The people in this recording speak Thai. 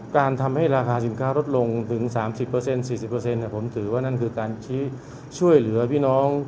การทำให้ราคาสินค้าลดลงถึง๓๐๔๐ผมถือว่านั่นคือการชี้ช่วยเหลือพี่น้อง